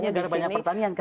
negara banyak pertanian kan